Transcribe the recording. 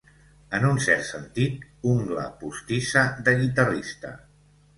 En un cert sentit, ungla postissa de guitarrista.